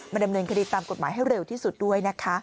ดำเนินคดีตามกฎหมายให้เร็วที่สุดด้วยนะคะ